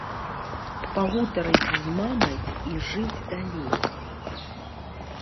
Пагутарыць з мамай і жыць далей.